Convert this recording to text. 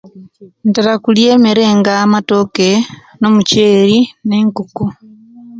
Ntera kulya emere nga amatoke, nomukyeri, ne'nkoko